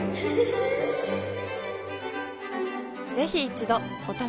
ぜひ一度お試しを。